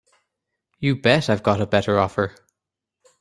You bet I've got a better offer.